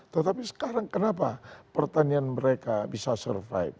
tetapi sekarang kenapa pertanian mereka bisa survive